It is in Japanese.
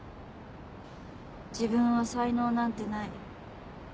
自分は才能なんてない。